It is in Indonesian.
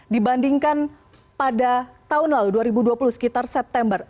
dibandingkan pada tahun lalu dua ribu dua puluh sekitar september